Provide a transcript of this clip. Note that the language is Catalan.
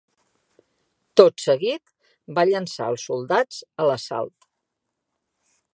Tot seguit va llançar els soldats a l'assalt.